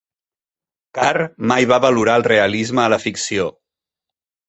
Carr mai va valorar el realisme a la ficció.